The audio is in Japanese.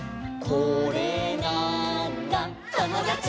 「これなーんだ『ともだち！』」